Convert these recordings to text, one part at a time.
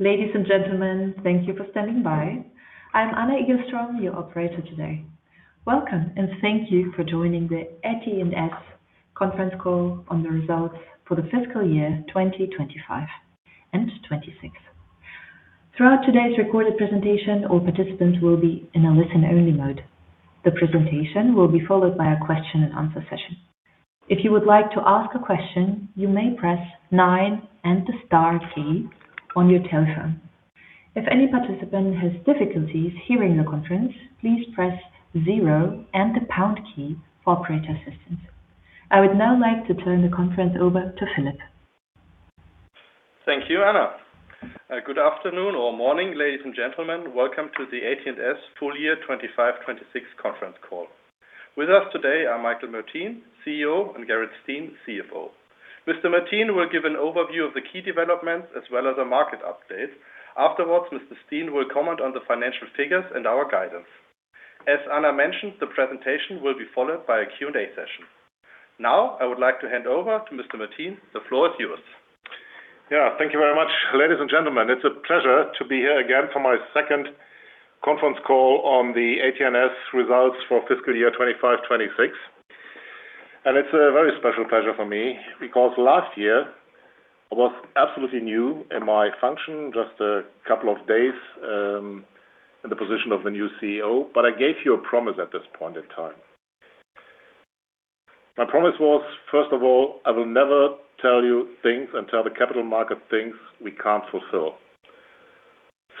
Ladies and gentlemen, thank you for standing by. I'm Anna Eaglestrom, your operator today. Welcome, and thank you for joining the AT&S conference call on the results for the fiscal year 2025 and 2026. Throughout today's recorded presentation, all participants will be in a listen-only mode. The presentation will be followed by a question and answer session. I would now like to turn the conference over to Philipp. Thank you, Anna. Good afternoon or morning, ladies and gentlemen. Welcome to the AT&S full year 2025/2026 conference call. With us today are Michael Mertin, CEO, and Gerrit Steen, CFO. Mr. Mertin will give an overview of the key developments as well as a market update. Afterwards, Mr. Steen will comment on the financial figures and our guidance. As Anna mentioned, the presentation will be followed by a Q&A session. Now, I would like to hand over to Mr. Mertin. The floor is yours. Yeah, thank you very much. Ladies and gentlemen, it's a pleasure to be here again for my second conference call on the AT&S results for fiscal year 2025/2026. It's a very special pleasure for me because last year I was absolutely new in my function, just a couple of days in the position of the new CEO, but I gave you a promise at this point in time. My promise was, first of all, I will never tell you things and tell the capital market things we can't fulfill.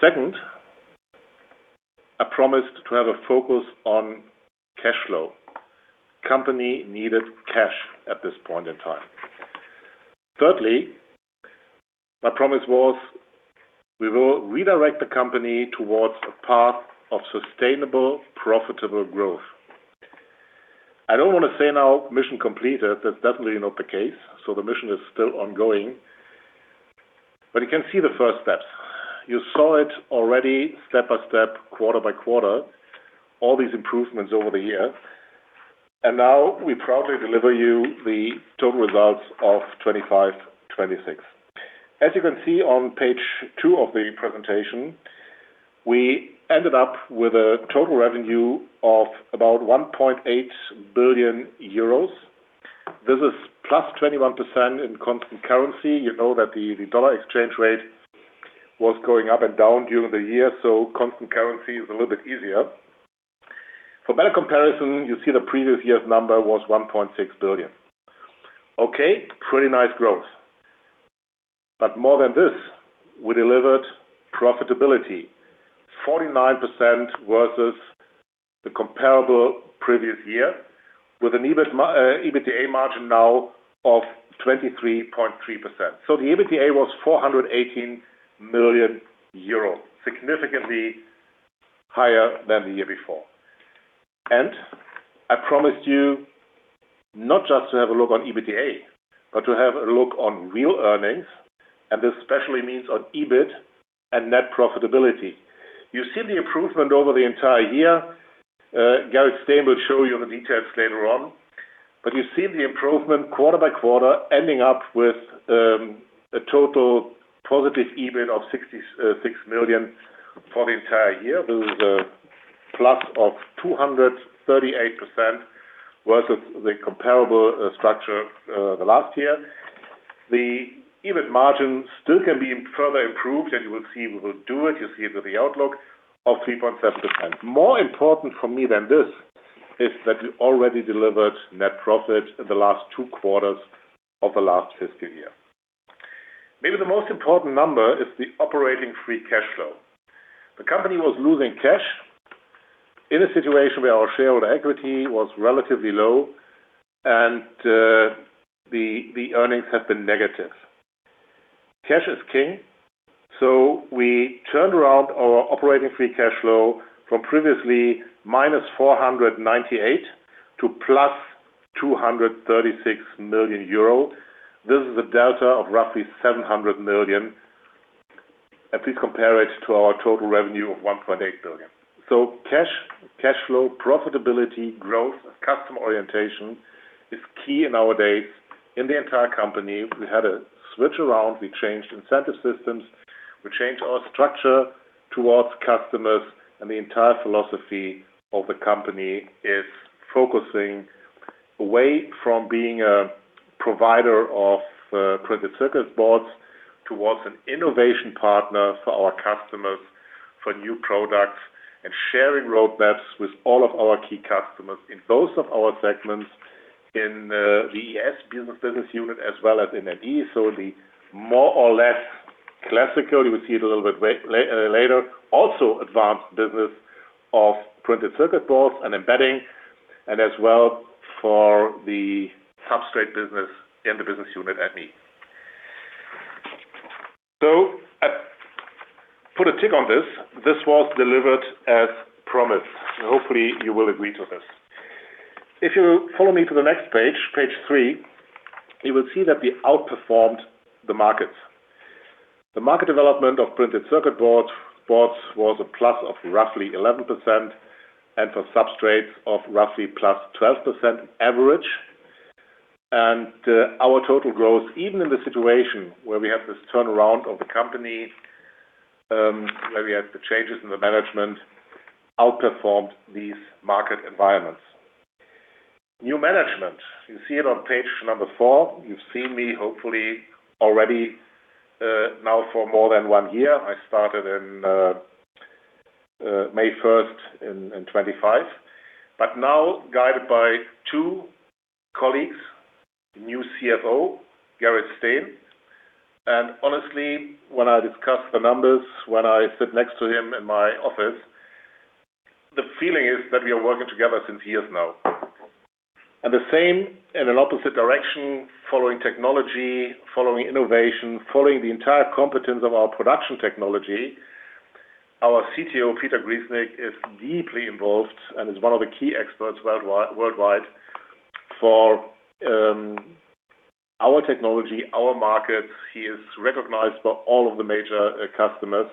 Second, I promised to have a focus on cash flow. Company needed cash at this point in time. Thirdly, my promise was we will redirect the company towards a path of sustainable, profitable growth. I don't want to say now mission completed. That's definitely not the case. The mission is still ongoing, but you can see the first steps. You saw it already step by step, quarter by quarter, all these improvements over the years. Now we proudly deliver you the total results of 2025/2026. As you can see on page two of the presentation, we ended up with a total revenue of about 1.8 billion euros. This is plus 21% in constant currency. You know that the dollar exchange rate was going up and down during the year, so constant currency is a little bit easier. For better comparison, you see the previous year's number was 1.6 billion. Okay, pretty nice growth. More than this, we delivered profitability. 49% versus the comparable previous year with an EBITDA margin now of 23.3%. The EBITDA was 418 million euros, significantly higher than the year before. I promised you not just to have a look on EBITDA, but to have a look on real earnings, and this especially means on EBIT and net profitability. You see the improvement over the entire year. Gerrit Steen will show you the details later on. You see the improvement quarter by quarter, ending up with a total positive EBIT of 66 million for the entire year. This is a plus of 238% versus the comparable structure the last year. The EBIT margin still can be further improved, and you will see we will do it. You see it with the outlook of 3.7%. More important for me than this is that we already delivered net profit in the last two quarters of the last fiscal year. Maybe the most important number is the operating free cash flow. The company was losing cash in a situation where our shareholder equity was relatively low and the earnings have been negative. Cash is king. We turned around our operating free cash flow from previously -498 to +236 million euro. This is a delta of roughly 700 million if we compare it to our total revenue of 1.8 billion. Cash flow profitability growth and customer orientation is key in our days in the entire company. We had a switch around. We changed incentive systems. We changed our structure towards customers, and the entire philosophy of the company is focusing away from being a provider of printed circuit boards towards an innovation partner for our customers for new products and sharing roadmaps with all of our key customers in both of our segments in the ES business unit as well as in ME. The more or less classical, you will see it a little bit later, also advanced business of printed circuit boards and embedding, and as well for the substrate business in the business unit at ME. I put a tick on this. This was delivered as promised. Hopefully, you will agree to this. If you follow me to the next page three, you will see that we outperformed the markets. The market development of printed circuit boards was a plus of roughly 11%, and for substrates of roughly plus 12% average. Our total growth, even in the situation where we have this turnaround of the company, where we had the changes in the management, outperformed these market environments. New management, you see it on page number four. You've seen me, hopefully, already now for more than 1 year. I started in May 1st in 2025, but now guided by two colleagues, the new CFO, Gerrit Steen. Honestly, when I discuss the numbers, when I sit next to him in my office, the feeling is that we are working together since years now. The same in an opposite direction, following technology, following innovation, following the entire competence of our production technology. Our CTO, Peter Grießnig, is deeply involved and is one of the key experts worldwide for our technology, our markets. He is recognized by all of the major customers,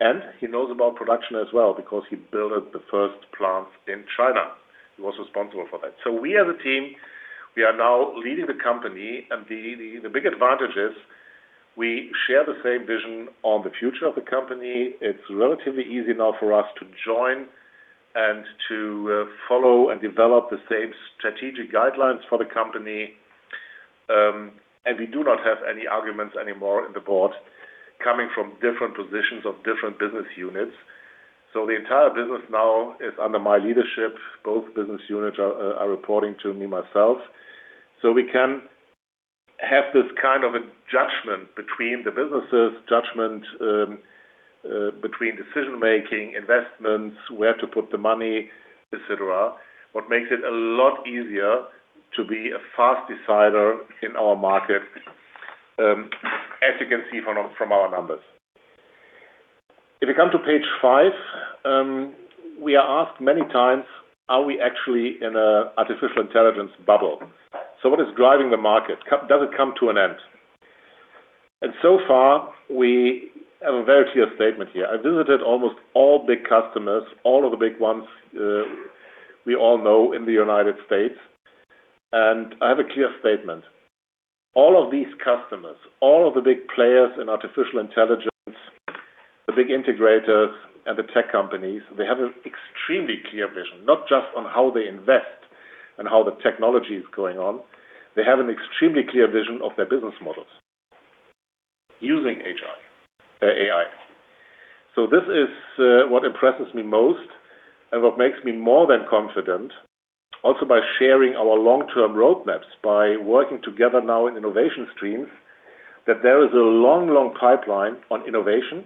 and he knows about production as well because he built the first plant in China. He was responsible for that. We as a team, we are now leading the company, and the big advantage is we share the same vision on the future of the company. It's relatively easy now for us to join and to follow and develop the same strategic guidelines for the company. We do not have any arguments anymore in the board coming from different positions of different business units. The entire business now is under my leadership. Both business units are reporting to me myself. We can have this kind of a judgment between the businesses, judgment between decision making, investments, where to put the money, et cetera. What makes it a lot easier to be a fast decider in our market, as you can see from our numbers. If you come to page five, we are asked many times, are we actually in a artificial intelligence bubble? What is driving the market? Does it come to an end? So far, we have a very clear statement here. I visited almost all big customers, all of the big ones we all know in the U.S. I have a clear statement. All of these customers, all of the big players in artificial intelligence, the big integrators and the tech companies, they have an extremely clear vision, not just on how they invest and how the technology is going on. They have an extremely clear vision of their business models using AI. This is what impresses me most and what makes me more than confident, also by sharing our long-term roadmaps, by working together now in innovation streams, that there is a long pipeline on innovation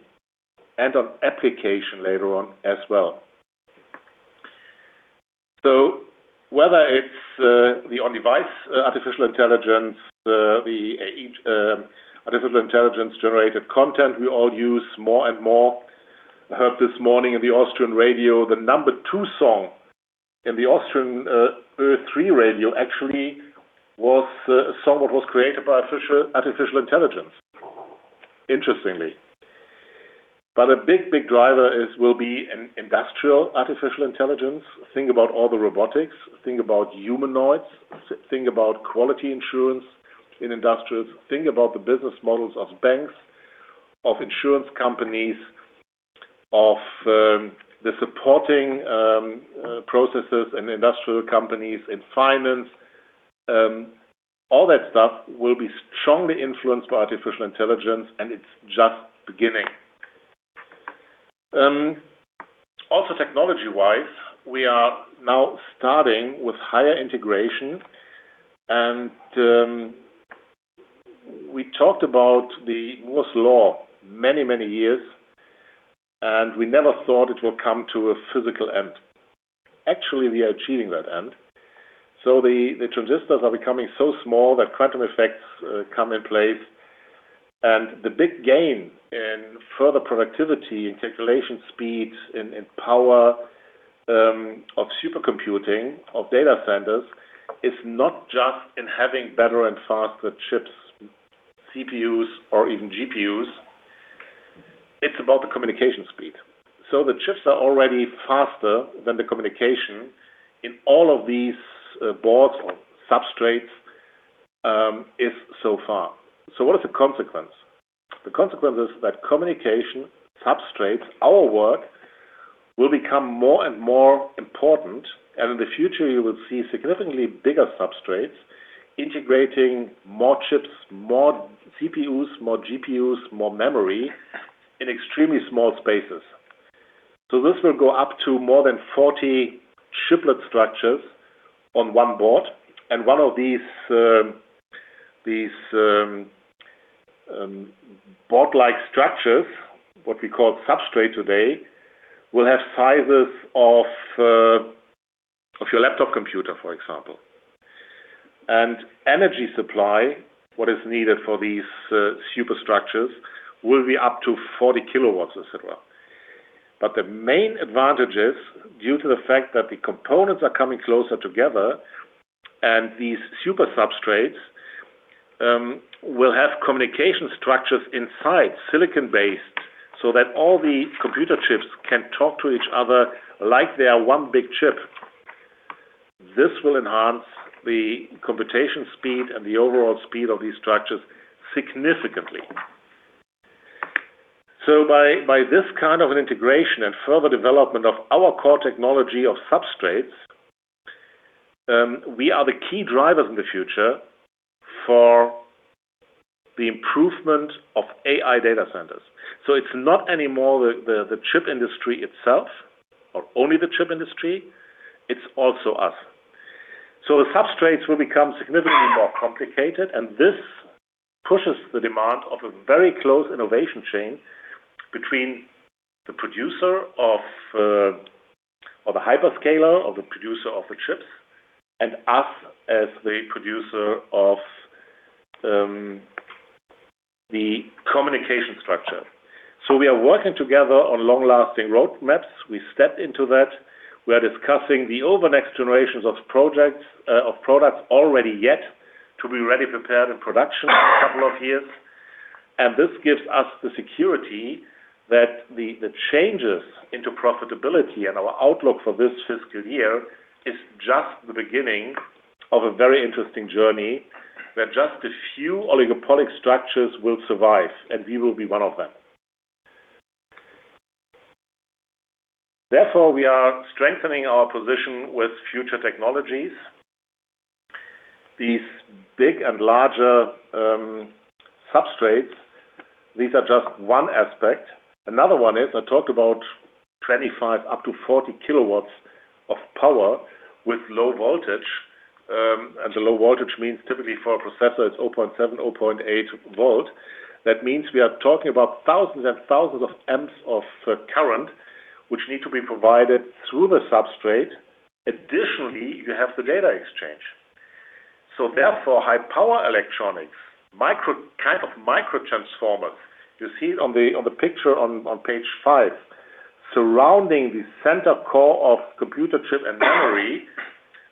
and on application later on as well. Whether it's the on-device artificial intelligence, the artificial intelligence-generated content we all use more and more. I heard this morning on the Austrian radio, the number two song in the Austrian Ö3 radio actually was a song that was created by artificial intelligence, interestingly. A big, big driver will be in industrial artificial intelligence. Think about all the robotics. Think about humanoids. Think about quality insurance in industrials. Think about the business models of banks, of insurance companies, of the supporting processes in industrial companies, in finance. All that stuff will be strongly influenced by artificial intelligence, and it's just beginning. Technology-wise, we are now starting with higher integration and we talked about Moore's law many, many years, and we never thought it will come to a physical end. We are achieving that end. The transistors are becoming so small that quantum effects come in place, and the big gain in further productivity, in calculation speeds, in power of supercomputing, of data centers, is not just in having better and faster chips, CPUs, or even GPUs. It's about the communication speed. The chips are already faster than the communication in all of these boards or substrates is so far. What is the consequence? The consequence is that communication substrates, our work, will become more and more important, and in the future, you will see significantly bigger substrates integrating more chips, more CPUs, more GPUs, more memory in extremely small spaces. This will go up to more than 40 chiplet structures on one board. One of these board-like structures, what we call substrate today, will have sizes of your laptop computer, for example. Energy supply, what is needed for these super structures, will be up to 40 kW, et cetera. The main advantage is, due to the fact that the components are coming closer together and these super substrates will have communication structures inside, silicon-based, so that all the computer chips can talk to each other like they are one big chip. This will enhance the computation speed and the overall speed of these structures significantly. By this kind of an integration and further development of our core technology of substrates, we are the key drivers in the future for the improvement of AI data centers. It's not anymore the chip industry itself, or only the chip industry, it's also us. The substrates will become significantly more complicated, and this pushes the demand of a very close innovation chain between the producer of a hyperscaler, of the producer of the chips, and us as the producer of the communication structure. We are working together on long-lasting roadmaps. We stepped into that. We are discussing the over next generations of products already yet to be ready prepared in production in a couple of years. This gives us the security that the changes into profitability and our outlook for this fiscal year is just the beginning of a very interesting journey, where just a few oligopoly structures will survive, and we will be one of them. Therefore, we are strengthening our position with future technologies. These big and larger substrates, these are just one aspect. Another one is, I talked about 25 kW up to 40 kW of power with low voltage, and the low voltage means typically for a processor, it's 0.7 V, 0.8 V. That means we are talking about thousands and thousands of amps of current, which need to be provided through the substrate. Additionally, you have the data exchange. Therefore, high-power electronics, kind of micro transformers. You see it on the picture on page five. Surrounding the center core of computer chip and memory,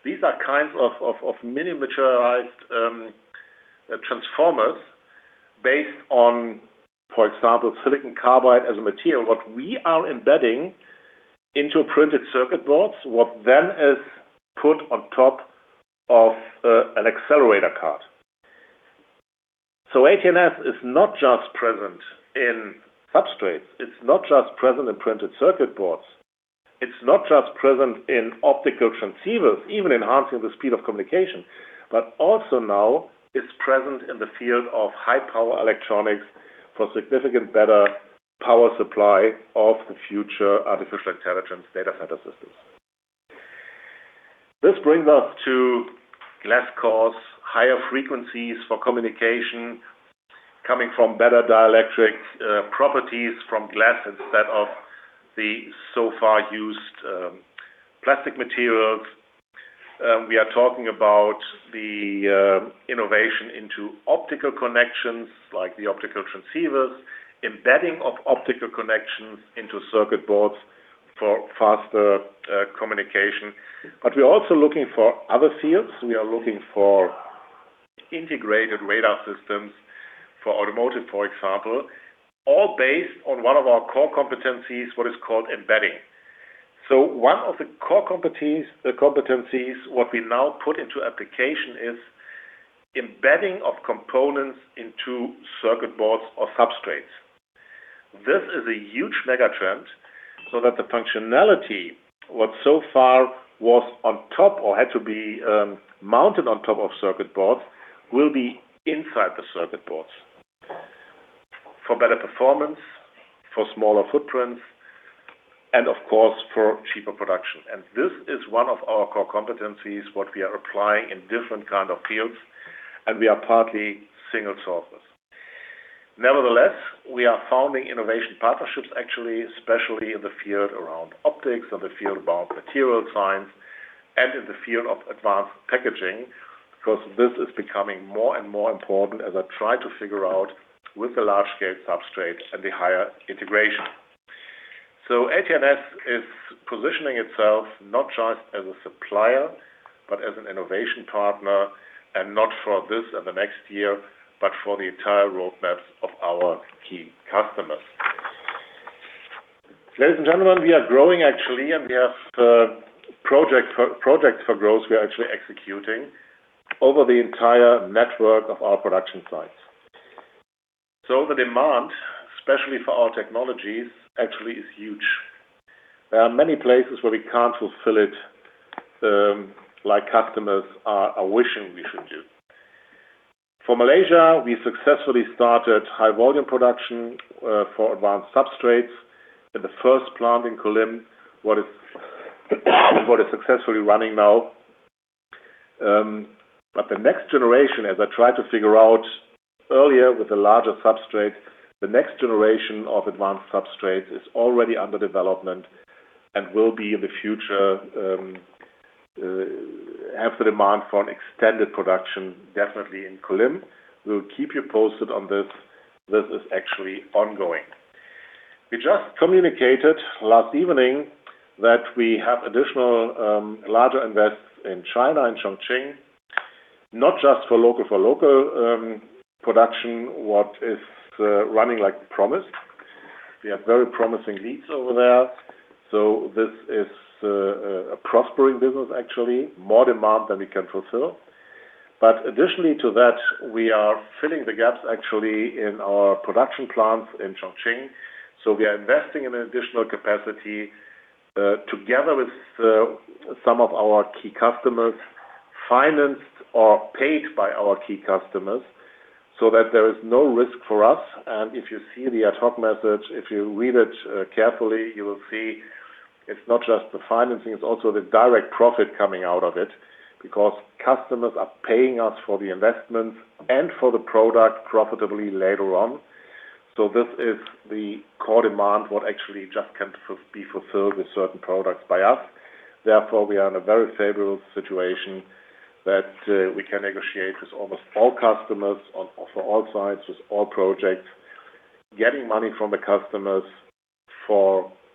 these are kinds of miniaturized transformers based on, for example, silicon carbide as a material, what we are embedding into printed circuit boards, what then is put on top of an accelerator card. AT&S is not just present in substrates, it's not just present in printed circuit boards, it's not just present in optical transceivers, even enhancing the speed of communication, but also now is present in the field of high-power electronics for significant better power supply of the future artificial intelligence data center systems. This brings us to glass cores, higher frequencies for communication coming from better dielectric properties from glass instead of the so far used plastic materials. We are talking about the innovation into optical connections, like the optical transceivers, embedding of optical connections into circuit boards for faster communication. We are also looking for other fields. We are looking for integrated radar systems for automotive, for example, all based on one of our core competencies, what is called embedding. One of the core competencies, what we now put into application is embedding of components into circuit boards or substrates. This is a huge mega trend, so that the functionality, what so far was on top or had to be mounted on top of circuit boards, will be inside the circuit boards. For better performance, for smaller footprints, and of course, for cheaper production. This is one of our core competencies, what we are applying in different kind of fields, and we are partly single sourcers. Nevertheless, we are founding innovation partnerships, actually, especially in the field around optics, in the field around material science, and in the field of advanced packaging, because this is becoming more and more important as I try to figure out with the large-scale substrates and the higher integration. AT&S is positioning itself not just as a supplier, but as an innovation partner, and not for this and the next year, but for the entire roadmaps of our key customers. Ladies and gentlemen, we are growing actually, and we have projects for growth we are actually executing over the entire network of our production sites. The demand, especially for our technologies, actually is huge. There are many places where we can't fulfill it, like customers are wishing we should do. For Malaysia, we successfully started high volume production for advanced substrates in the first plant in Kulim, what is successfully running now. The next generation, as I tried to figure out earlier with the larger substrates, the next generation of advanced substrates is already under development and will be in the future, have the demand for an extended production, definitely in Kulim. We'll keep you posted on this. This is actually ongoing. We just communicated last evening that we have additional larger invests in China, in Chongqing, not just for local production, what is running like promised. We have very promising leads over there. This is a prospering business actually, more demand than we can fulfill. Additionally to that, we are filling the gaps actually in our production plants in Chongqing. We are investing in additional capacity, together with some of our key customers, financed or paid by our key customers, so that there is no risk for us. If you see the ad hoc message, if you read it carefully, you will see it's not just the financing, it's also the direct profit coming out of it, because customers are paying us for the investments and for the product profitably later on. This is the core demand, what actually just can be fulfilled with certain products by us. We are in a very favorable situation that we can negotiate with almost all customers on, for all sides, with all projects, getting money from the customers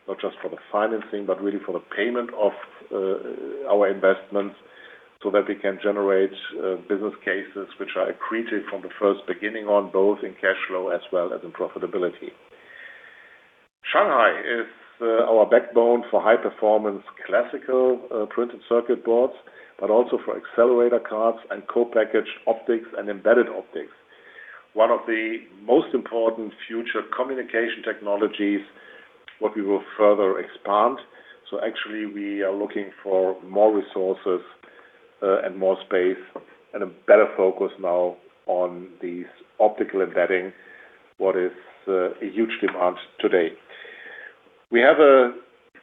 not just for the financing, but really for the payment of our investments so that we can generate business cases which are accretive from the first beginning on, both in cash flow as well as in profitability. Shanghai is our backbone for high performance classical printed circuit boards, but also for accelerator cards and co-packaged optics and embedded optics. One of the most important future communication technologies, what we will further expand. Actually we are looking for more resources and more space and a better focus now on these optical embedding, what is a huge demand today. We have a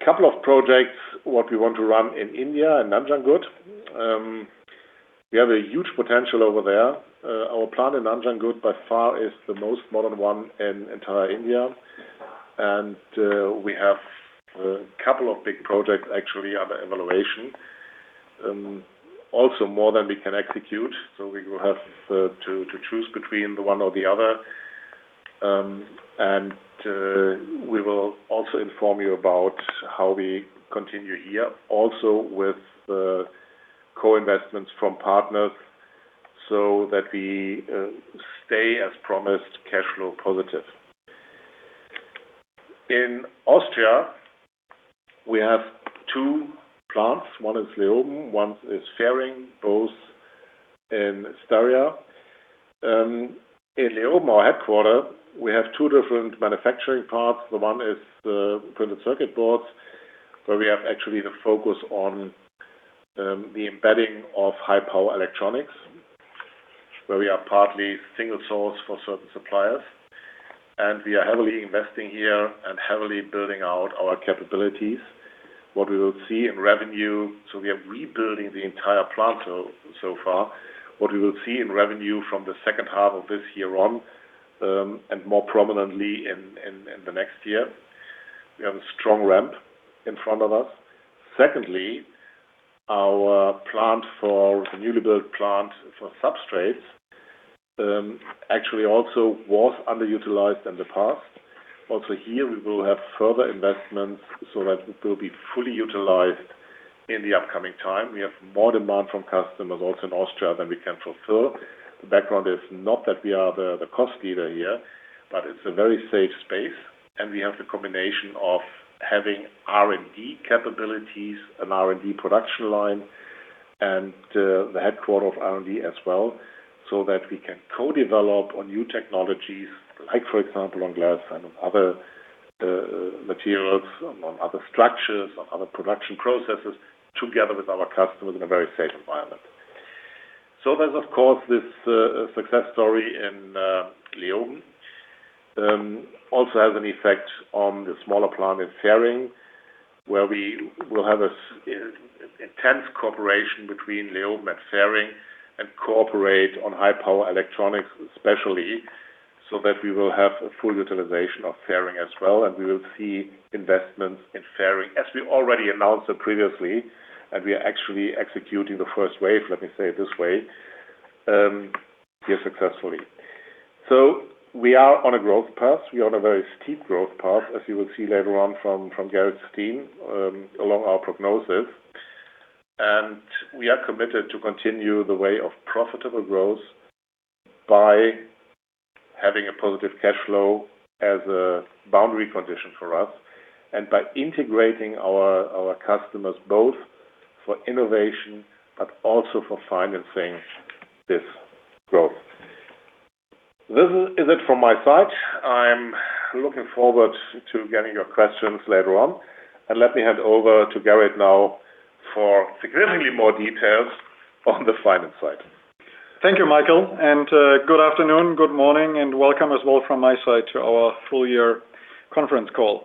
couple of projects, what we want to run in India, in Nanjangud. We have a huge potential over there. Our plant in Nanjangud by far is the most modern one in entire India. We have a couple of big projects actually under evaluation, also more than we can execute. We will have to choose between the one or the other. We will also inform you about how we continue here also with co-investments from partners so that we stay as promised, cash flow positive. In Austria, we have two plants. One is Leoben, one is Fehring, both in Styria. In Leoben, our headquarter, we have two different manufacturing parts. One is the printed circuit boards, where we have actually the focus on the embedding of high-power electronics, where we are partly single source for certain suppliers. We are heavily investing here and heavily building out our capabilities. What we will see in revenue, so we are rebuilding the entire plant so far. What we will see in revenue from the second half of this year on, and more prominently in the next year. We have a strong ramp in front of us. Secondly, our newly built plant for substrates actually also was underutilized in the past. Also here we will have further investments so that it will be fully utilized in the upcoming time. We have more demand from customers also in Austria than we can fulfill. The background is not that we are the cost leader here, but it's a very safe space and we have the combination of having R&D capabilities, an R&D production line, and the headquarters of R&D as well, so that we can co-develop on new technologies, like for example on glass and on other materials, on other structures, on other production processes, together with our customers in a very safe environment. There's of course this success story in Leoben. Also has an effect on the smaller plant in Fehring, where we will have this intense cooperation between Leoben and Fehring and cooperate on high-power electronics especially, so that we will have a full utilization of Fehring as well. We will see investments in Fehring, as we already announced previously, and we are actually executing the first wave, let me say it this way, here successfully. We are on a growth path. We are on a very steep growth path, as you will see later on from Gerrit's team along our prognosis. We are committed to continue the way of profitable growth by having a positive cash flow as a boundary condition for us, and by integrating our customers both for innovation, but also for financing this growth. This is it from my side. I'm looking forward to getting your questions later on, and let me hand over to Gerrit now for significantly more details on the finance side. Thank you, Michael, good afternoon, good morning, and welcome as well from my side to our full year conference call.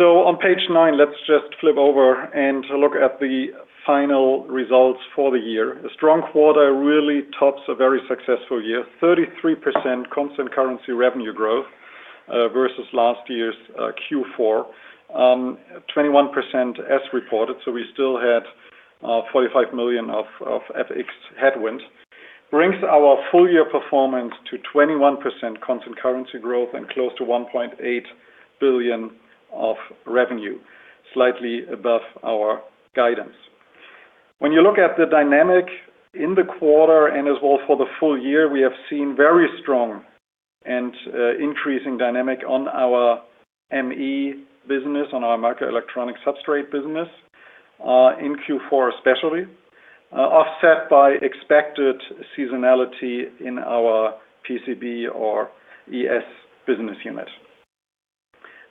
On page nine, let's just flip over and look at the final results for the year. A strong quarter really tops a very successful year. 33% constant currency revenue growth versus last year's Q4. 21% as reported. We still had 45 million of FX headwind. Brings our full year performance to 21% constant currency growth and close to 1.8 billion of revenue, slightly above our guidance. When you look at the dynamic in the quarter and as well for the full year, we have seen very strong and increasing dynamic on our ME business, on our microelectronic substrate business, in Q4 especially, offset by expected seasonality in our PCB or ES business unit.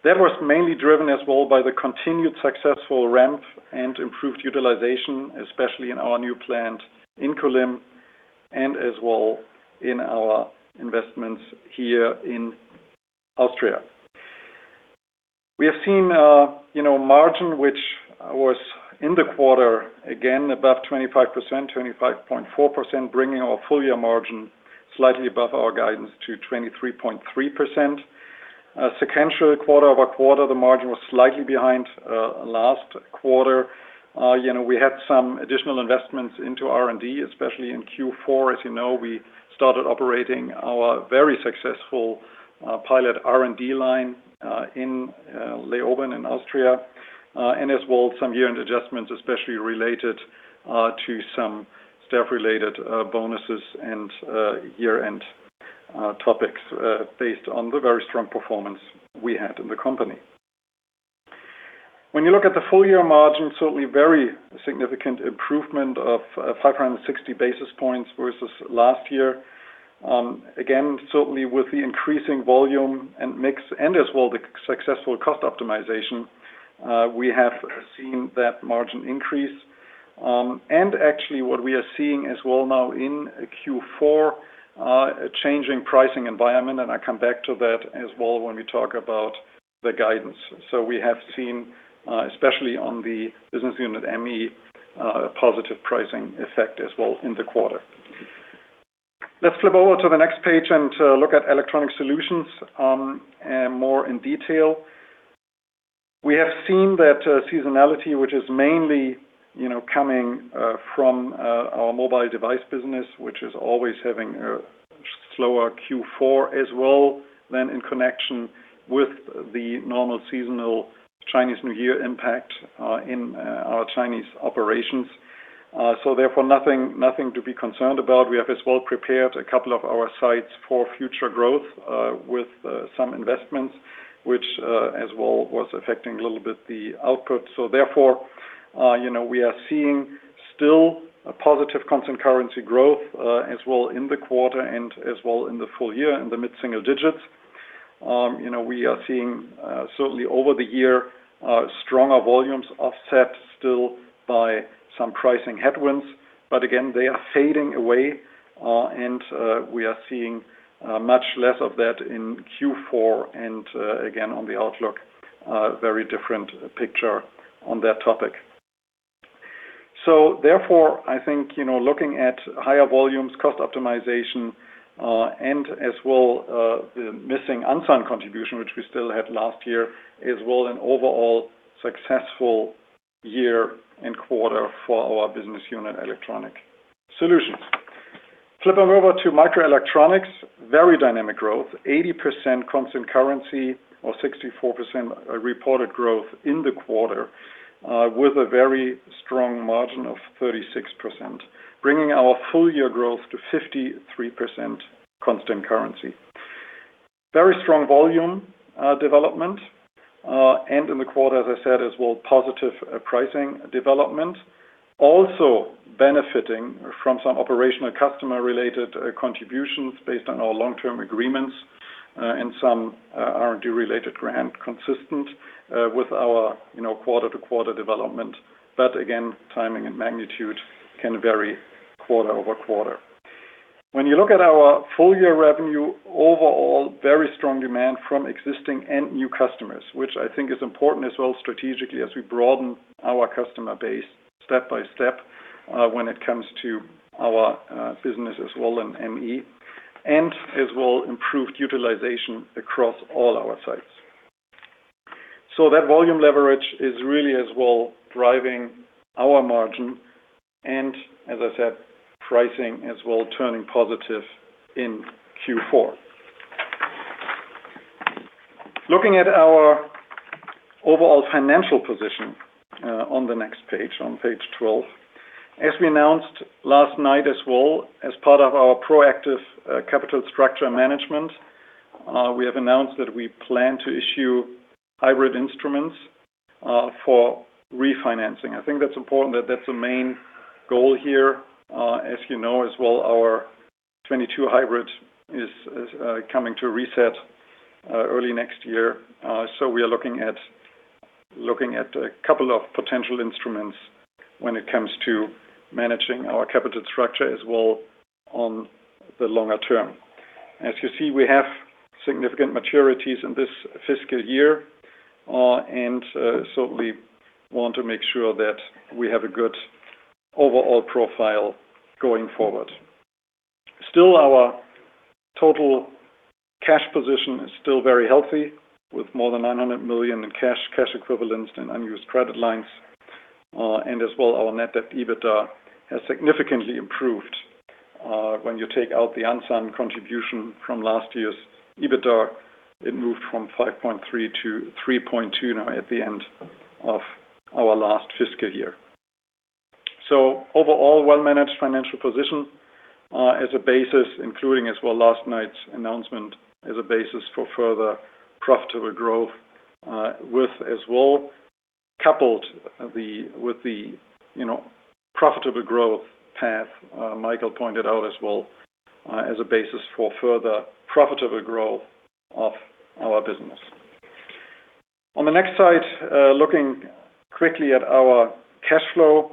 That was mainly driven as well by the continued successful ramp and improved utilization, especially in our new plant in Kulim and as well in our investments here in Austria. We have seen a margin which was in the quarter, again, above 25%, 25.4%, bringing our full year margin slightly above our guidance to 23.3%. Sequentially, quarter-over-quarter, the margin was slightly behind last quarter. We had some additional investments into R&D, especially in Q4. As you know, we started operating our very successful pilot R&D line in Leoben, in Austria, and as well some year-end adjustments, especially related to some staff-related bonuses and year-end topics based on the very strong performance we had in the company. When you look at the full-year margin, certainly very significant improvement of 560 basis points versus last year. Certainly with the increasing volume and mix and as well the successful cost optimization, we have seen that margin increase. Actually what we are seeing as well now in Q4, a changing pricing environment, and I come back to that as well when we talk about the guidance. We have seen, especially on the business unit ME, a positive pricing effect as well in the quarter. Let's flip over to the next page and look at Electronic Solutions more in detail. We have seen that seasonality, which is mainly coming from our mobile device business, which is always having a slower Q4 as well, then in connection with the normal seasonal Chinese New Year impact in our Chinese operations. Therefore, nothing to be concerned about. We have as well prepared a couple of our sites for future growth with some investments, which as well was affecting a little bit the output. Therefore, we are seeing still a positive constant currency growth as well in the quarter and as well in the full year in the mid-single digits. We are seeing certainly over the year, stronger volumes offset still by some pricing headwinds. Again, they are fading away and we are seeing much less of that in Q4 and again on the outlook, a very different picture on that topic. Therefore, I think, looking at higher volumes, cost optimization, and as well the missing Ansan contribution, which we still had last year, as well, an overall successful year and quarter for our business unit Electronic Solutions. Flipping over to microelectronics, very dynamic growth, 80% constant currency or 64% reported growth in the quarter with a very strong margin of 36%, bringing our full-year growth to 53% constant currency. Very strong volume development. In the quarter, as I said, as well, positive pricing development. Also benefiting from some operational customer-related contributions based on our long-term agreements and some R&D-related grant consistent with our quarter-to-quarter development. Again, timing and magnitude can vary quarter-over-quarter. When you look at our full-year revenue, overall, very strong demand from existing and new customers, which I think is important as well strategically as we broaden our customer base step-by-step when it comes to our business as well in ME, and as well improved utilization across all our sites. That volume leverage is really as well driving our margin and as I said, pricing as well turning positive in Q4. Looking at our overall financial position on the next page, on page 12. As we announced last night as well as part of our proactive capital structure management, we have announced that we plan to issue hybrid instruments for refinancing. I think that's important. That's the main goal here. As you know as well, our 2022 hybrid is coming to a reset early next year. We are looking at a couple of potential instruments when it comes to managing our capital structure as well on the longer term. As you see, we have significant maturities in this fiscal year, and certainly want to make sure that we have a good overall profile going forward. Total cash position is still very healthy, with more than 900 million in cash equivalents, and unused credit lines. Our net debt EBITDA has significantly improved. When you take out the Ansan contribution from last year's EBITDA, it moved from 5.3 to 3.2 now at the end of our last fiscal year. Overall, well-managed financial position as a basis, including as well last night's announcement as a basis for further profitable growth, with as well, coupled with the profitable growth path Michael pointed out as well, as a basis for further profitable growth of our business. On the next slide, looking quickly at our cash flow.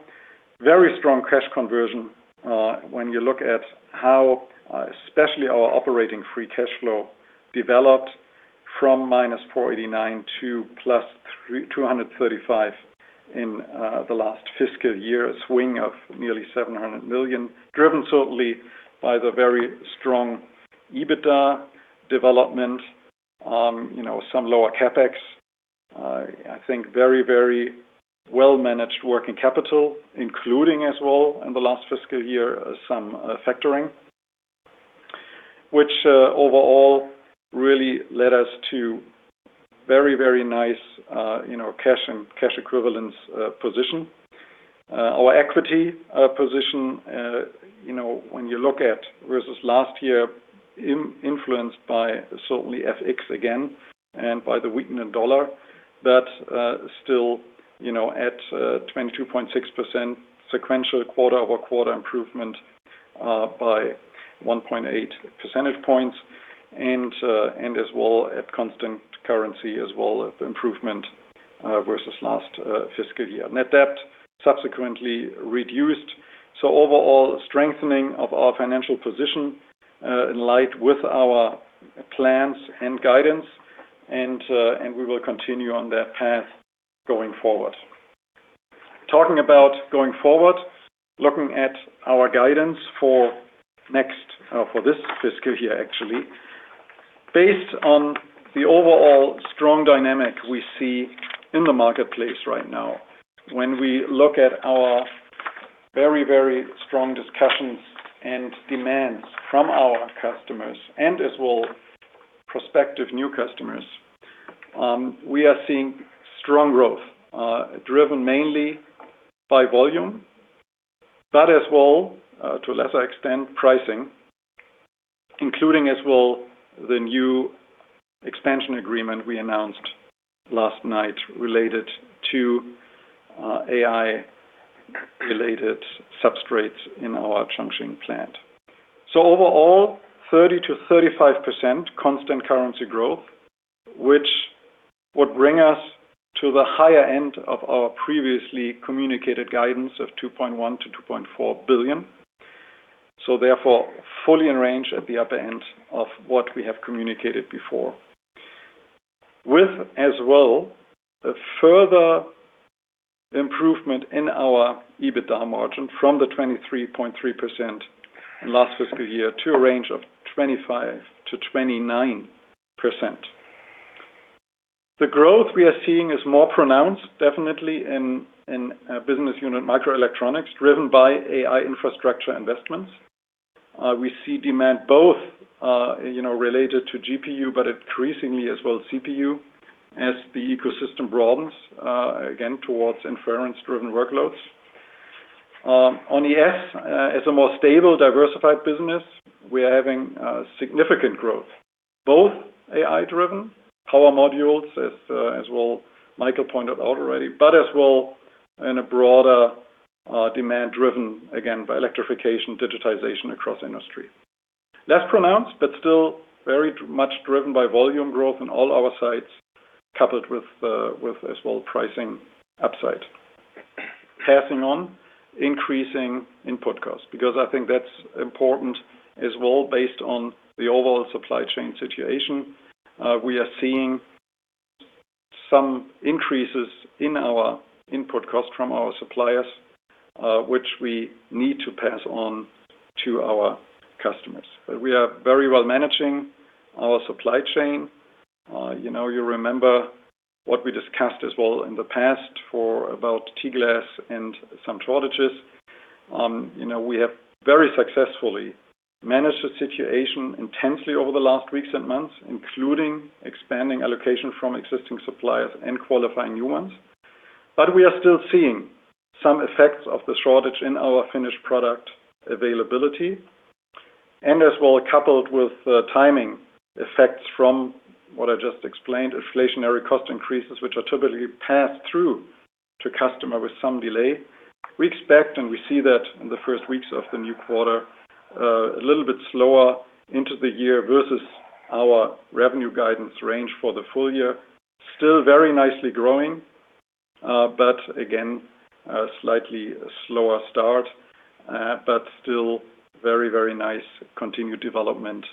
Very strong cash conversion when you look at how especially our operating free cash flow developed from -489 to +235 in the last fiscal year, a swing of nearly 700 million, driven certainly by the very strong EBITDA development. Some lower CapEx. I think very well-managed working capital, including as well in the last fiscal year, some factoring, which overall really led us to very nice cash and cash equivalents position. Our equity position, when you look at versus last year, influenced by certainly FX again and by the weakening dollar, that still at 22.6% sequential quarter-over-quarter improvement by 1.8 percentage points, and as well at constant currency as well of improvement versus last fiscal year. Net debt subsequently reduced. Overall, strengthening of our financial position in light with our plans and guidance, and we will continue on that path going forward. Talking about going forward, looking at our guidance for this fiscal year actually. Based on the overall strong dynamic we see in the marketplace right now, when we look at our very strong discussions and demands from our customers and as well prospective new customers, we are seeing strong growth driven mainly by volume, but as well, to a lesser extent, pricing, including as well the new expansion agreement we announced last night related to AI-related substrates in our Chongqing plant. Overall, 30%-35% constant currency growth, which would bring us to the higher end of our previously communicated guidance of 2.1 billion-2.4 billion. Therefore, fully in range at the upper end of what we have communicated before. With as well, a further improvement in our EBITDA margin from the 23.3% in last fiscal year to a range of 25%-29%. The growth we are seeing is more pronounced definitely in business unit microelectronics, driven by AI infrastructure investments. We see demand both related to GPU, but increasingly as well CPU as the ecosystem broadens, again, towards inference-driven workloads. On ES, as a more stable, diversified business, we are having significant growth, both AI-driven power modules as well Michael pointed out already, but as well in a broader demand-driven, again, by electrification, digitization across industry. Less pronounced, but still very much driven by volume growth in all our sites, coupled with as well pricing upside. Passing on increasing input costs, because I think that's important as well based on the overall supply chain situation. We are seeing some increases in our input cost from our suppliers, which we need to pass on to our customers. We are very well managing our supply chain. You remember what we discussed as well in the past for about T-glass and some shortages. We have very successfully managed the situation intensely over the last weeks and months, including expanding allocation from existing suppliers and qualifying new ones. We are still seeing some effects of the shortage in our finished product availability, and as well, coupled with timing effects from what I just explained, inflationary cost increases, which are typically passed through to customer with some delay. We expect, and we see that in the first weeks of the new quarter, a little bit slower into the year versus our revenue guidance range for the full year. Still very nicely growing, again, a slightly slower start. Still very nice continued development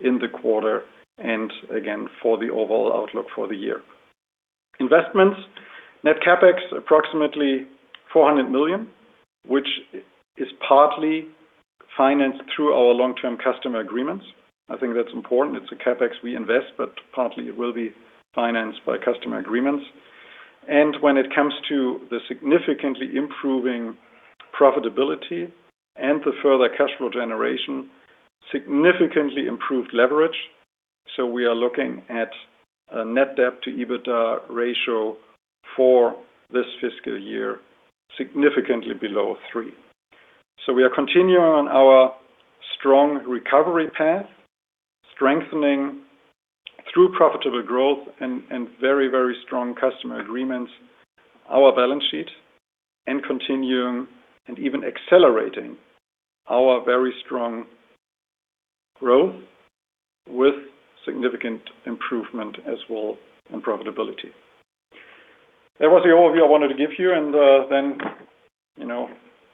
in the quarter and again, for the overall outlook for the year. Investments. Net CapEx approximately 400 million, which is partly financed through our long-term customer agreements. I think that's important. It's a CapEx we invest, but partly it will be financed by customer agreements. When it comes to the significantly improving profitability and the further cash flow generation, significantly improved leverage. We are looking at a net debt to EBITDA ratio for this fiscal year, significantly below 3. We are continuing on our strong recovery path, strengthening through profitable growth and very strong customer agreements, our balance sheet, and continuing and even accelerating our very strong growth with significant improvement as well on profitability. That was the overview I wanted to give you, and then,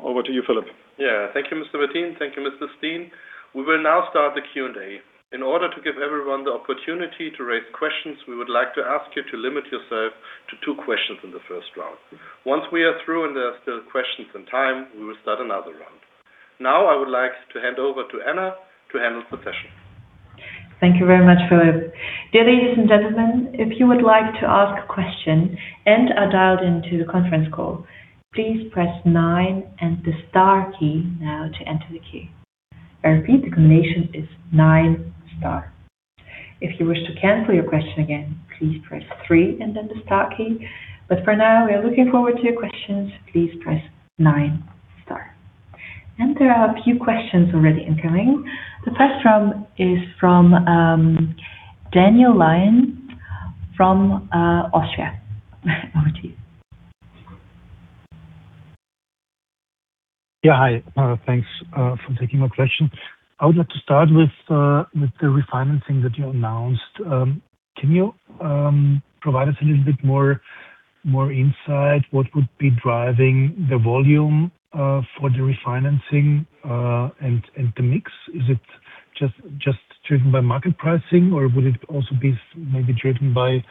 over to you, Philipp. Yeah. Thank you, Mr. Mertin. Thank you, Mr. Steen. We will now start the Q&A. In order to give everyone the opportunity to raise questions, we would like to ask you to limit yourself to two questions in the first round. Once we are through and there are still questions and time, we will start another round. Now I would like to hand over to Anna to handle the session. Thank you very much, Philipp. Dear ladies and gentlemen, if you would like to ask a question and are dialed into the conference call, please press nine and the star key now to enter the queue. I repeat, the combination is nine, star. If you wish to cancel your question again, please press three and then the star key. For now, we are looking forward to your questions. Please press nine, star. There are a few questions already incoming. The first is from Daniel Lion from Erste. Over to you. Yeah, hi. Thanks for taking my question. I would like to start with the refinancing that you announced. Can you provide us a little bit more insight what would be driving the volume for the refinancing and the mix? Is it just driven by market pricing, or would it also be maybe driven by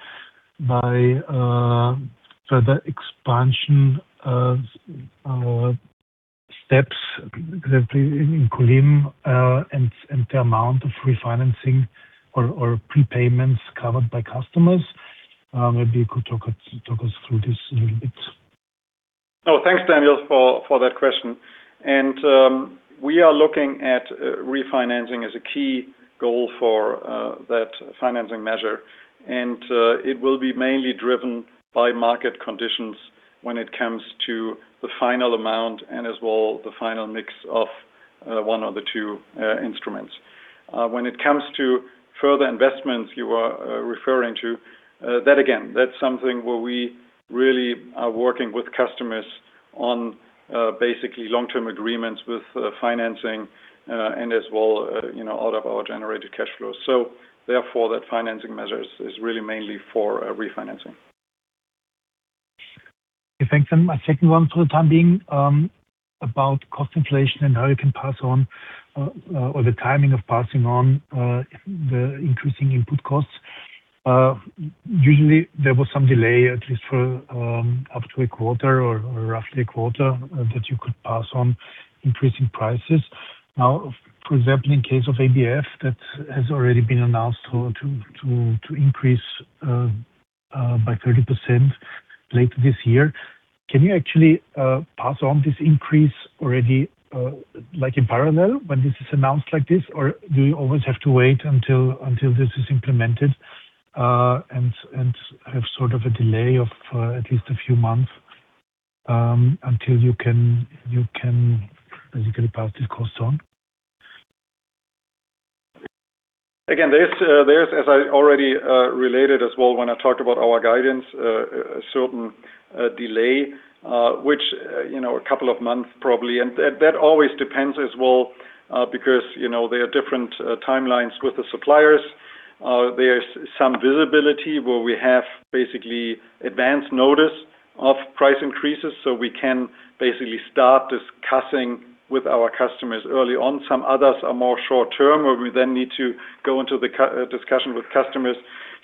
further expansion of steps in Kulim and the amount of refinancing or prepayments covered by customers? Maybe you could talk us through this a little bit. Oh, thanks, Daniel, for that question. We are looking at refinancing as a key goal for that financing measure. It will be mainly driven by market conditions when it comes to the final amount and as well the final mix of one or the two instruments. When it comes to further investments you are referring to, that again, that's something where we really are working with customers on basically long-term agreements with financing, and as well out of our generated cash flows. Therefore, that financing measure is really mainly for refinancing. Okay, thanks. My second one for the time being, about cost inflation and how you can pass on, or the timing of passing on the increasing input costs. Usually, there was some delay, at least for up to a quarter or roughly a quarter that you could pass on increasing prices. Now, for example, in case of ABF, that has already been announced to increase by 30% later this year. Can you actually pass on this increase already in parallel when this is announced like this? Or do you always have to wait until this is implemented and have a delay of at least a few months, until you can basically pass these costs on? There is, as I already related as well when I talked about our guidance, a certain delay, a couple of months probably. That always depends as well, because there are different timelines with the suppliers. There's some visibility where we have basically advance notice of price increases, so we can basically start discussing with our customers early on. Some others are more short-term, where we then need to go into the discussion with customers.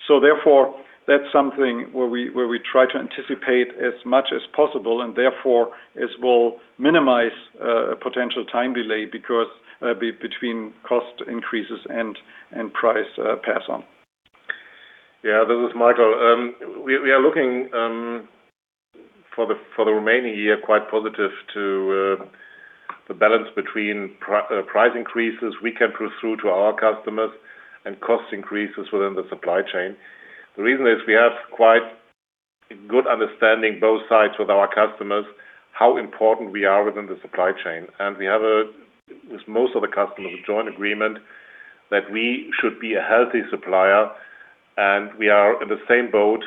Therefore, that's something where we try to anticipate as much as possible and therefore, as well minimize potential time delay between cost increases and price pass-on. Yeah, this is Michael. We are looking, for the remaining year, quite positive to the balance between price increases we can push through to our customers and cost increases within the supply chain. The reason is we have quite a good understanding, both sides with our customers, how important we are within the supply chain. We have, with most of the customers, a joint agreement that we should be a healthy supplier, and we are in the same boat.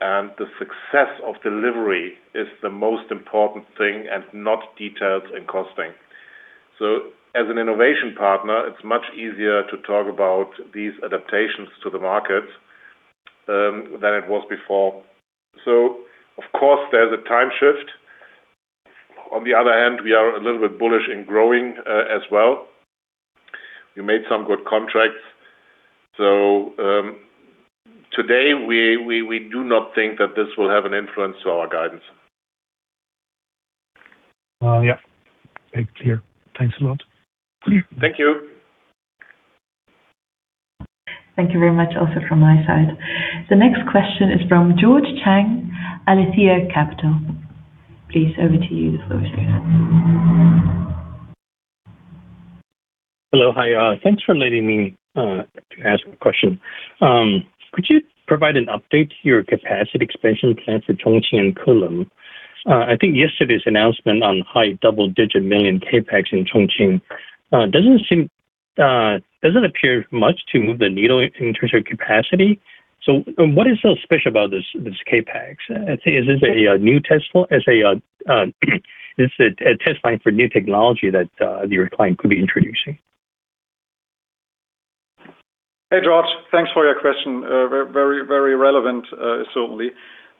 The success of delivery is the most important thing and not details in costing. As an innovation partner, it's much easier to talk about these adaptations to the market than it was before. Of course, there's a time shift. On the other hand, we are a little bit bullish in growing as well. We made some good contracts. Today, we do not think that this will have an influence to our guidance. Yeah. Clear. Thanks a lot. Thank you. Thank you very much, also from my side. The next question is from George Chang, Aletheia Capital. Please, over to you. The floor is yours. Hello. Hi. Thanks for letting me ask a question. Could you provide an update to your capacity expansion plans for Chongqing and Kulim? I think yesterday's announcement on high double-digit million CapEx in Chongqing doesn't appear much to move the needle in terms of capacity. What is so special about this CapEx? Is this a test line for new technology that your client could be introducing? Hey, George. Thanks for your question. Very relevant, certainly.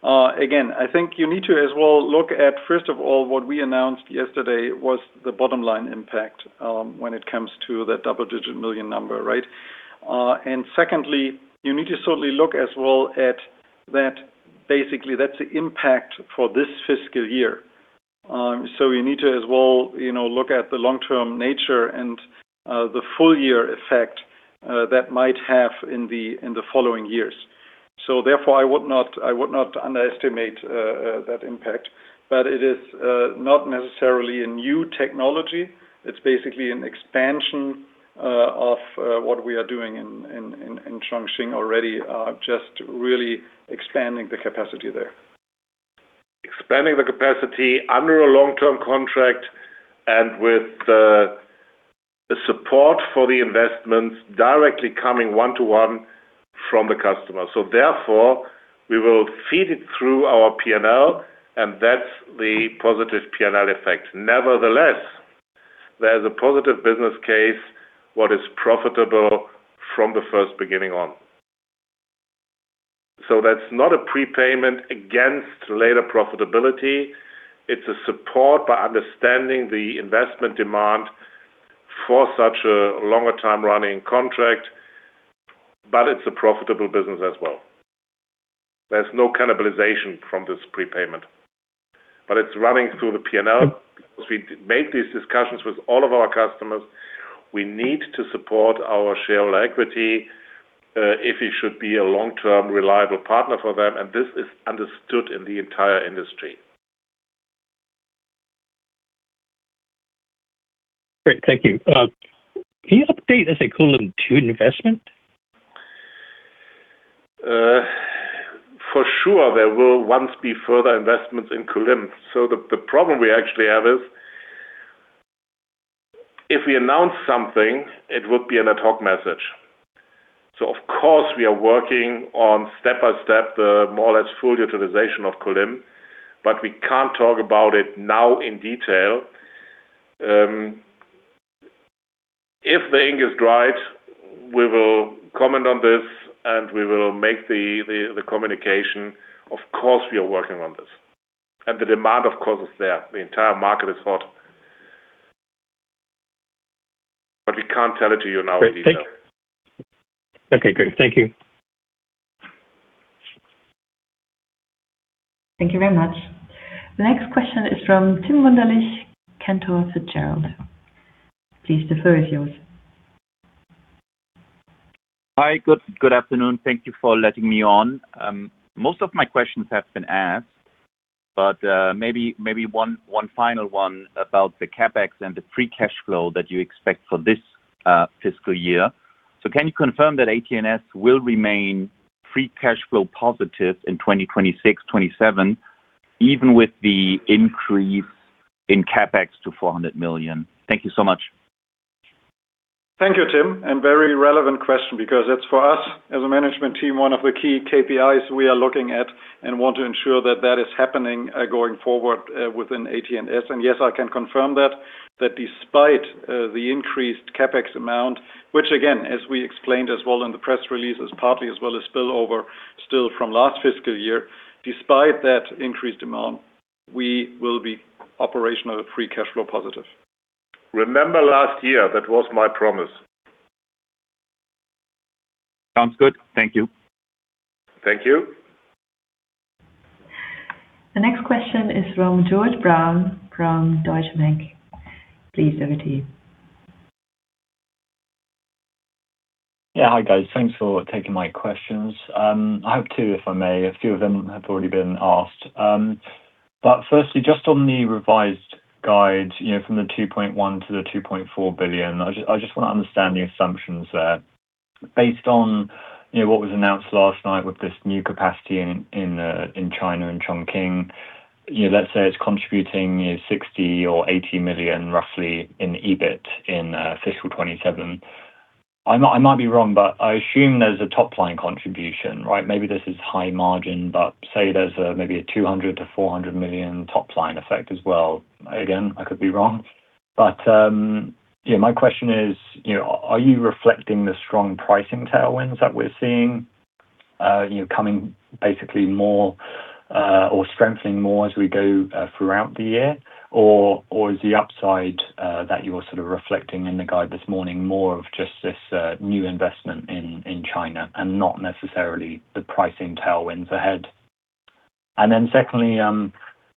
Again, I think you need to as well look at, first of all, what we announced yesterday was the bottom line impact, when it comes to that EUR double-digit million number, right? Secondly, you need to certainly look as well at that. Basically, that's the impact for this fiscal year. You need to as well look at the long-term nature and the full-year effect that might have in the following years. Therefore, I would not underestimate that impact, but it is not necessarily a new technology. It's basically an expansion of what we are doing in Chongqing already, just really expanding the capacity there. Expanding the capacity under a long-term contract and with the support for the investments directly coming one-to-one from the customer. Therefore, we will feed it through our P&L, and that's the positive P&L effect. There's a positive business case what is profitable from the first beginning on. That's not a prepayment against later profitability. It's a support by understanding the investment demand for such a longer time running contract, but it's a profitable business as well. There's no cannibalization from this prepayment, but it's running through the P&L. We make these discussions with all of our customers, we need to support our shareholder equity, if it should be a long-term reliable partner for them, and this is understood in the entire industry. Great. Thank you. Can you update us on Kulim two investment? For sure, there will once be further investments in Kulim. The problem we actually have is, if we announce something, it would be an ad hoc message. Of course, we are working on step-by-step, more or less full utilization of Kulim, but we can't talk about it now in detail. If the ink is dried, we will comment on this, and we will make the communication. Of course, we are working on this. The demand, of course, is there. The entire market is hot. We can't tell it to you now in detail. Okay, great. Thank you. Thank you very much. The next question is from Tim Wunderlich, Cantor Fitzgerald. Please, the floor is yours. Hi. Good afternoon. Thank you for letting me on. Most of my questions have been asked, but maybe one final one about the CapEx and the free cash flow that you expect for this fiscal year. Can you confirm that AT&S will remain free cash flow positive in 2026, 2027, even with the increase in CapEx to 400 million? Thank you so much. Thank you, Tim. Very relevant question because it's for us, as a management team, one of the key KPIs we are looking at and want to ensure that that is happening going forward within AT&S. Yes, I can confirm that, despite the increased CapEx amount, which again, as we explained as well in the press release, is partly as well a spillover still from last fiscal year. Despite that increased demand, we will be operational free cash flow positive. Remember last year, that was my promise. Sounds good. Thank you. Thank you. The next question is from George Brown from Deutsche Bank. Please, over to you. Hi, guys. Thanks for taking my questions. I have two, if I may. A few of them have already been asked. Firstly, just on the revised guide, from the 2.1 billion to the 2.4 billion, I just want to understand the assumptions there. Based on what was announced last night with this new capacity in China, in Chongqing. Let's say it's contributing 60 million or 80 million roughly in EBIT in fiscal 2027. I might be wrong, I assume there's a top-line contribution, right? Maybe this is high margin, say there's maybe a 200 million to 400 million top-line effect as well. Again, I could be wrong. My question is, are you reflecting the strong pricing tailwinds that we're seeing coming basically more or strengthening more as we go throughout the year? Is the upside that you are reflecting in the guide this morning more of just this new investment in China and not necessarily the pricing tailwinds ahead. Secondly,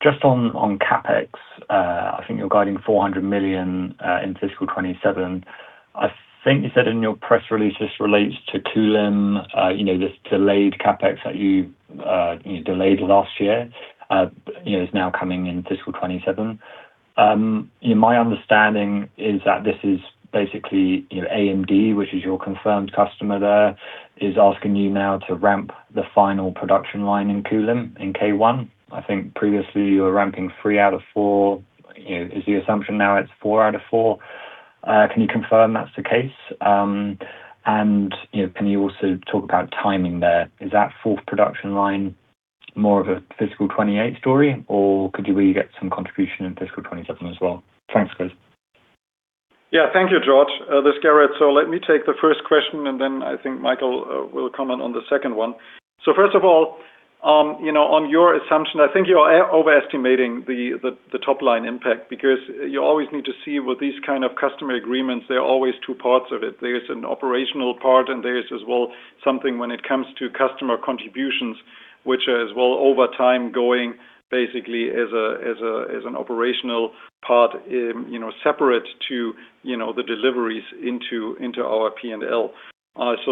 just on CapEx, I think you're guiding 400 million in fiscal 2027. I think you said in your press release this relates to Kulim, this delayed CapEx that you delayed last year, is now coming in fiscal 2027. My understanding is that this is basically AMD, which is your confirmed customer there, is asking you now to ramp the final production line in Kulim in K1. I think previously you were ramping three out of four. Is the assumption now it's four out of four? Can you confirm that's the case? Can you also talk about timing there? Is that fourth production line more of a fiscal 2028 story, or could you really get some contribution in fiscal 2027 as well? Thanks, guys. Yeah, thank you, George. This is Gerrit. Let me take the first question, and then I think Michael will comment on the second one. First of all, on your assumption, I think you are overestimating the top-line impact because you always need to see with these kind of customer agreements, there are always two parts of it. There is an operational part, and there is as well something when it comes to customer contributions, which as well over time going basically as an operational part separate to the deliveries into our P&L.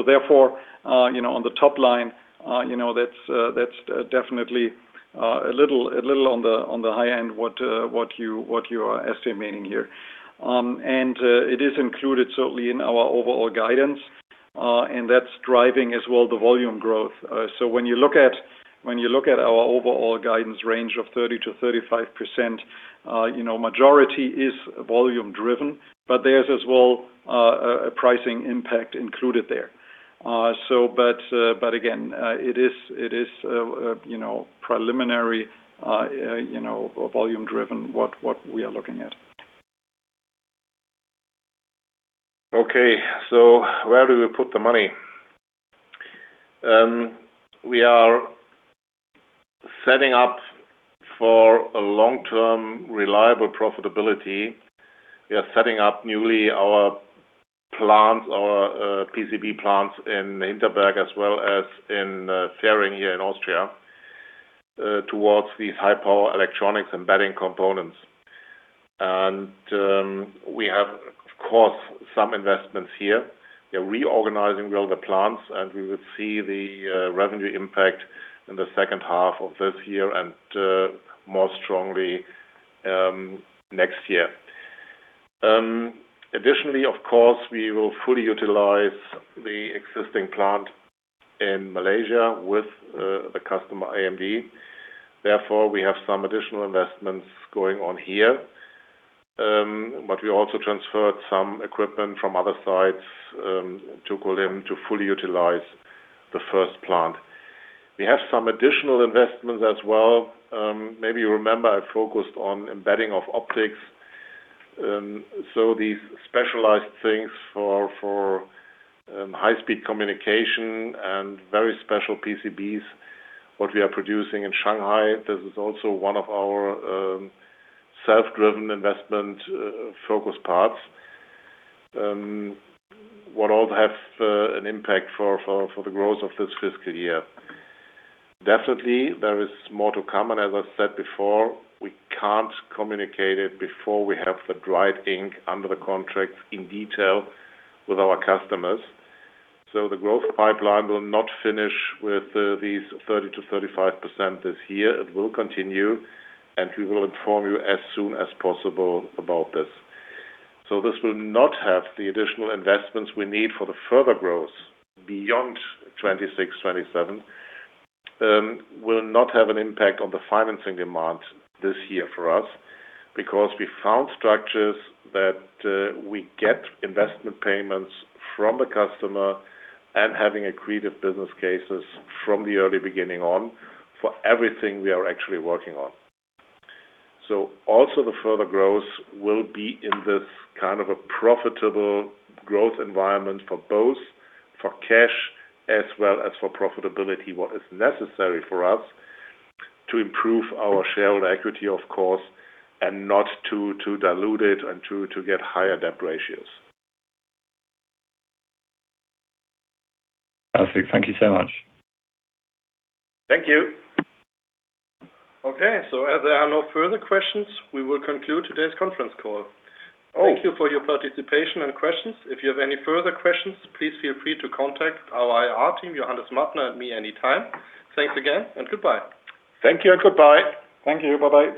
Therefore, on the top line, that's definitely a little on the high end what you are estimating here. It is included certainly in our overall guidance, and that's driving as well the volume growth. When you look at our overall guidance range of 30%-35%, majority is volume driven, but there's as well a pricing impact included there. Again, it is preliminary volume driven what we are looking at. Okay. Where do we put the money? We are setting up for a long-term reliable profitability. We are setting up newly our plants, our PCB plants in Leoben as well as in Fehring here in Austria, towards these high-power electronics embedding components. We have, of course, some investments here. We are reorganizing all the plants, and we will see the revenue impact in the second half of this year and more strongly next year. Additionally, of course, we will fully utilize the existing plant in Malaysia with the customer AMD. Therefore, we have some additional investments going on here. We also transferred some equipment from other sites to Kulim to fully utilize the first plant. We have some additional investments as well. Maybe you remember I focused on embedding of optics. These specialized things for high-speed communication and very special PCBs, what we are producing in Shanghai, this is also one of our self-driven investment focus parts, what all have an impact for the growth of this fiscal year. Definitely there is more to come, and as I said before, we can't communicate it before we have the dried ink under the contracts in detail with our customers. The growth pipeline will not finish with these 30%-35% this year. It will continue, and we will inform you as soon as possible about this. This will not have the additional investments we need for the further growth beyond 2026, 2027, will not have an impact on the financing demand this year for us, because we found structures that we get investment payments from the customer and having accretive business cases from the early beginning on for everything we are actually working on. Also the further growth will be in this kind of a profitable growth environment for both, for cash as well as for profitability. What is necessary for us to improve our shareholder equity, of course, and not to dilute it and to get higher debt ratios. Perfect. Thank you so much. Thank you. Okay, as there are no further questions, we will conclude today's conference call. Thank you for your participation and questions. If you have any further questions, please feel free to contact our IR team, Johannes Mattner and me, anytime. Thanks again, and goodbye. Thank you and goodbye. Thank you. Bye-bye.